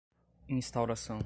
instauração